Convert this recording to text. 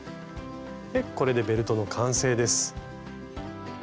これでベルトの完成です。